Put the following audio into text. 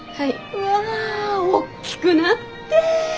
うわ大きくなって！